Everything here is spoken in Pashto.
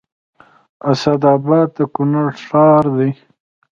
اسداباد د کونړ ښار دی